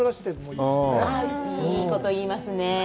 いいこと言いますね。